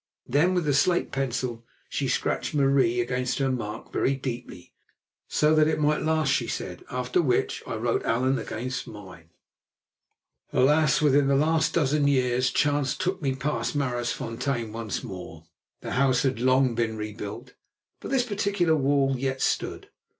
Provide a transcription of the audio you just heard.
Then with the slate pencil she scratched "Marie" against her mark very deeply, so that it might last, she said; after which I wrote "Allan" against mine. Alas! Within the last dozen years chance took me past Maraisfontein once more. The house had long been rebuilt, but this particular wall yet stood.